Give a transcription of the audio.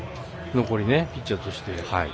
ピッチャーとして。